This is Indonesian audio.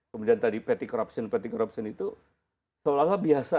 kemudian tadi petty corruption itu seolah olah biasa